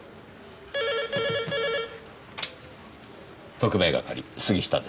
特命係杉下です。